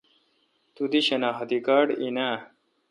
تو دی شناختی کارڈ این اؘ۔